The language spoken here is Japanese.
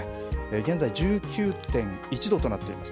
現在１９．１度となっております。